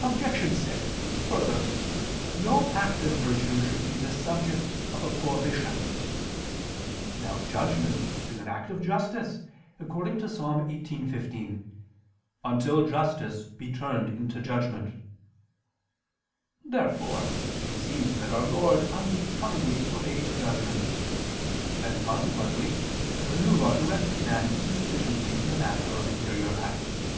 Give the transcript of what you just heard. Obj. 6: Further, no act of virtue should be the subject of a prohibition. Now judgment is an act of justice, according to Ps. 18:15: "Until justice be turned into judgment." Therefore it seems that Our Lord unbecomingly forbade judgment: and consequently that the New Law directed man insufficiently in the matter of interior acts.